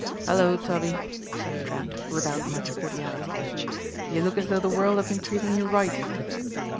"Hello, Tubby," said Trent without much cordiality, "you look as though the world had been treating you right."